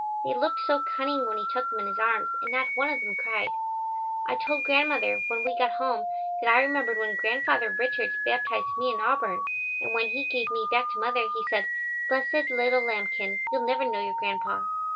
They looked so cunning when he took them in his arms and not one of them cried. I told Grandmother when we got home that I remembered when Grandfather Richards baptized me in Auburn, and when he gave me back to mother he said, "Blessed little lambkin, you'll never know your grandpa."